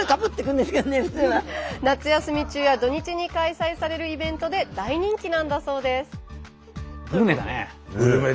夏休み中や土日に開催されるイベントで大人気なんだそうです。